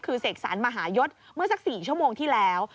คือเสกสรรมหายศเมื่อสัก๔ชั่วโมงที่แล้ว